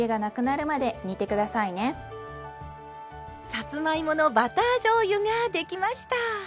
さつまいものバターじょうゆができました。